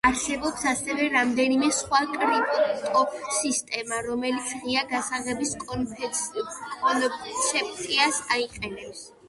არსებობს ასევე რამდენიმე სხვა კრიპტოსისტემა, რომელიც ღია გასაღების კონცეფციას იყენებს.